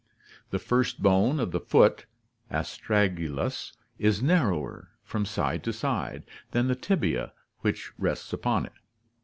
The first bone of the foot (astragalus) is narrower, from side to side, than the tibia which rests upon it (see Fig.